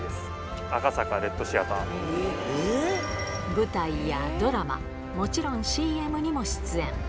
舞台やドラマもちろんＣＭにも出演